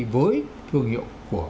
với thương hiệu của